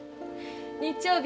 日曜日